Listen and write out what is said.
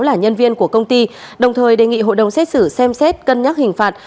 là nhân viên của công ty đồng thời đề nghị hội đồng xét xử xem xét cân nhắc hình phạt